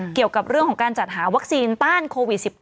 เกี่ยวกับเรื่องของการจัดหาวัคซีนต้านโควิด๑๙